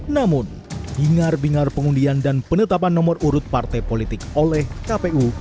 namun bingar bingar pengundian dan penetapan nomor urut partai politik oleh kpu